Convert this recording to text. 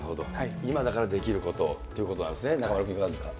今だからできることということなんですね、中丸君、いかがですか。